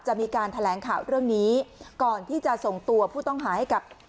จะมีการแถลงข่าวเรื่องนี้ก่อนที่จะส่งตัวผู้ต้องหาให้กับ